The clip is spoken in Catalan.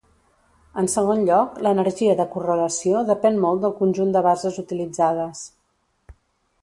En segon lloc, l'energia de correlació depèn molt del conjunt de bases utilitzades.